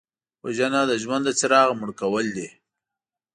وژنه د ژوند د څراغ مړ کول دي